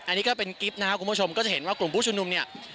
อันนี้ก็เป็นกิ๊บนะครับคุณผู้ชมก็จะเห็นว่ากลุ่มผู้ชุมนุมเนี่ย